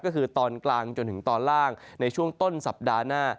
ก็คือตอนกลางจนถึงตอนล่างในช่วงต้นสัปดาห์หน้า